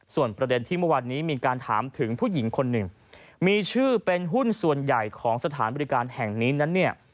ส่วนประเด็นที่เมื่อวานนี้มีการถามถึงผู้หญิงคนหนึ่งมีชื่อเป็นหุ้นส่วนใหญ่ของสถานบริการแห่งนี้นั้นเนี่ย